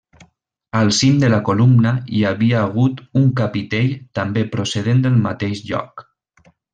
Al cim de la columna hi havia hagut un capitell també procedent del mateix lloc.